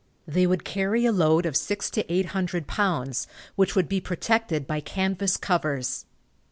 They would carry a load of six to eight hundred pounds, which would be protected by canvas covers.